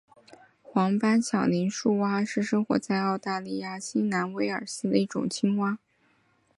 黄斑响铃树蛙是生活在澳大利亚新南威尔斯的一种青蛙。